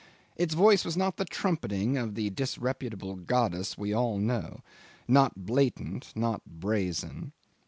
Its voice was not the trumpeting of the disreputable goddess we all know not blatant not brazen.